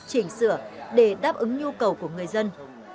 chỉnh sửa để đáp ứng nhu cầu của người dân